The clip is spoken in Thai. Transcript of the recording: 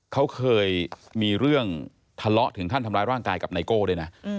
เขาเคยมีเรื่องทะเลาะถึงขั้นทำร้ายร่างกายกับไนโก้ด้วยนะ